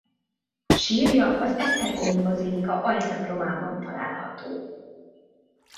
Sírja az esztergomi bazilika altemplomában található.